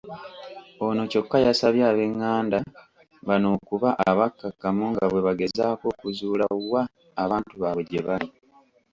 Ono kyokka yasabye ab'engganda bano okuba abakkakkamu nga bwebagezaako okuzuula wa abantu baabwe gyebali.